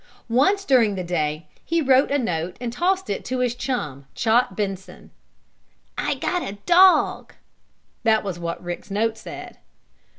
Once, during the day, he wrote a note, and tossed it to his chum, Chot Benson. "I got a dog!" That was what Rick's note said.